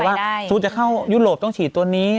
ถ้าจะเข้ายุโรปต้องฉีดตัวนี้